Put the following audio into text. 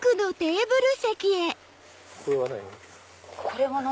これは何？